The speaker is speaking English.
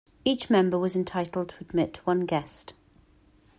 Each member was entitled to admit one guest.